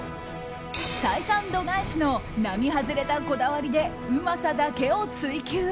採算度外視の並外れたこだわりでうまさだけを追求。